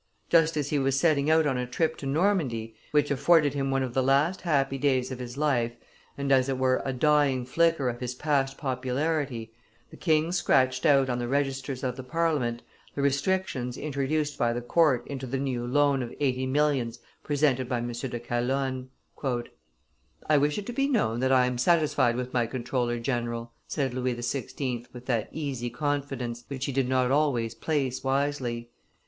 Just as he was setting out on a trip to Normandy, which afforded him one of the last happy days of his life and as it were a dying flicker of his past popularity, the king scratched out on the registers of the Parliament the restrictions introduced by the court into the new loan of eighty millions presented by M. de Calonne. "I wish it to be known that I am satisfied with my comptroller general," said Louis XVI. with that easy confidence which he did not always place wisely.